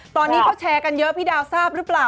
ตอนนี้เขาแชร์กันเยอะพี่ดาวทราบหรือเปล่า